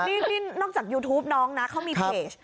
นี่นอกจากยูทูปน้องนะเขามีเพจ